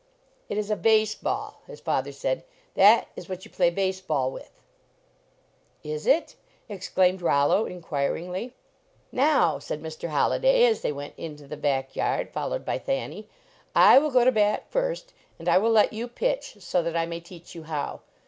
" It is a base ball," his father said, "that is what you play base ball with." "Is it?" exclaimed Rollo, inquiringly. "Now," said Mr. Holliday, as they went into the back yard, followed by Thanny, " I will go to bat first, and I will let you pitch, so LEARNING TO PLAY that I may teach you how.